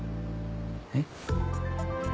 えっ？